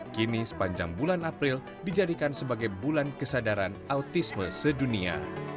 kini sepanjang bulan april dijadikan sebagai bulan kesadaran autisme sedunia